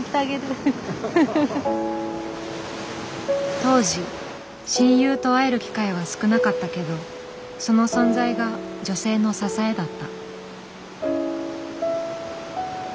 当時親友と会える機会は少なかったけどその存在が女性の支えだった。